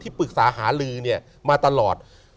ที่ปรึกษาหาลือเนี่ยมาตลอด